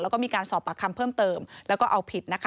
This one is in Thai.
แล้วก็มีการสอบปากคำเพิ่มเติมแล้วก็เอาผิดนะคะ